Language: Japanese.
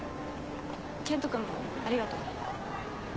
健人君もありがとう。